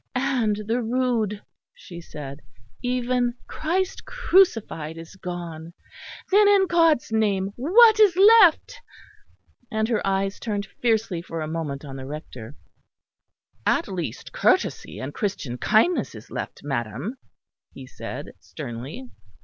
"And the Rood!" she said. "Even Christ crucified is gone. Then, in God's name what is left?" And her eyes turned fiercely for a moment on the Rector. "At least courtesy and Christian kindness is left, madam," he said sternly.